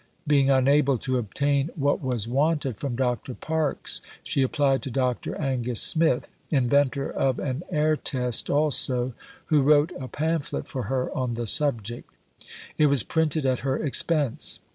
Being unable to obtain what was wanted from Dr. Parkes, she applied to Dr. Angus Smith (inventor of an air test also), who wrote a pamphlet for her on the subject. It was printed at her expense.